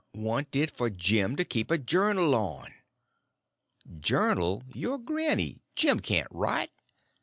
"Want it for Jim to keep a journal on." "Journal your granny—Jim can't write."